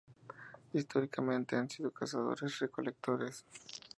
Históricamente han sido cazadores-recolectores.